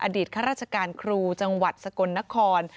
ข้าราชการครูจังหวัดสกลนคร